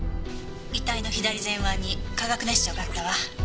「遺体の左前腕に化学熱傷があったわ」